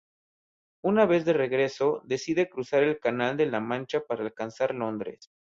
Una vez de regreso, decide cruzar el canal de la Mancha para alcanzar Londres.